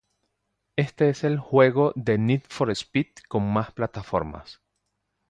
Este es el juego de Need for Speed con más plataformas.